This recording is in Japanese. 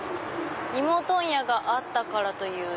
芋問屋があったからという」